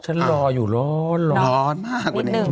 ฉันรออยู่ร้อนร้อนร้อนมากกว่านี้ร้อนนิดหนึ่ง